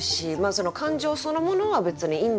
感情そのものは別にいいんだよ